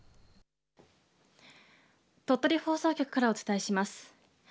鳥取放送局からお伝えします。